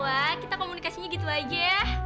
wah kita komunikasinya gitu aja